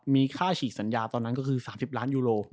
มีค่าฉีกสัญญาตอนนั้นก็คือ๓๐ล้านยูโร